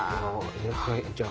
はいじゃあ。